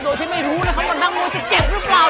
โดยที่ไม่รู้นะครับว่าน้องโมจะเจ็บหรือเปล่า